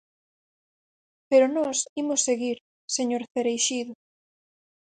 Pero nós imos seguir, señor Cereixido.